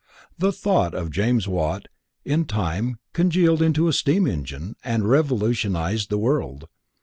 The thought of James Watt in time congealed into a steam engine and revolutionized the world.